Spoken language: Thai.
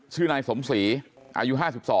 ชื่อนายสมศรีอายุ๕๒